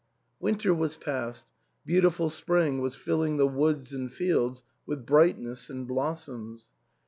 Winter was past; beautiful spring was filling the woods and fields with brightness and blossoms.